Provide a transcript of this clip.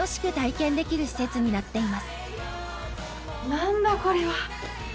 何だこれは！